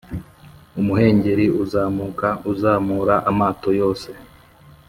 umuhengeri uzamuka uzamura amato yose